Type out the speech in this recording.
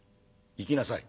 行きなさい。